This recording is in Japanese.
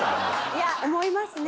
いや思いますね